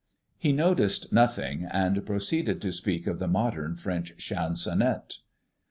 He noticed nothing, and proceeded to speak of the modern French chansonette.